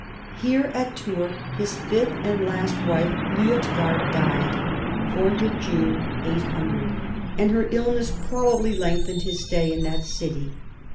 Here at Tours his fifth and last wife Liutgard dietl (4th June, 800), and her illness probably lengthened his sta}"" in that city.